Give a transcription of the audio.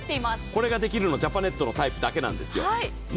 これができるのはジャパネットのタイプだけなんですよ。